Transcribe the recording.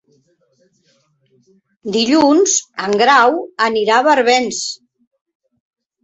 Dilluns en Grau anirà a Barbens.